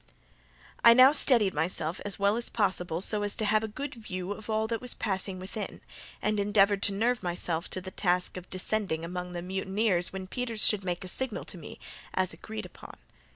I now steadied myself as well as possible so as to have a good view of all that was passing within, and endeavoured to nerve myself to the task of descending among the mutineers when Peters should make a signal to me, as agreed upon.